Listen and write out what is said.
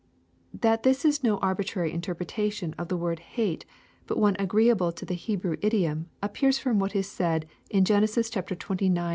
That this is no arbitrary interpretation of the word *hate,' but one agreeable to the Hebrew idiom, appears from what is said in Gen. xxix.